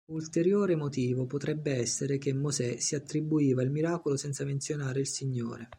Ulteriore motivo potrebbe essere che mosè si attribuiva il miracolo senza menzionare il Signore.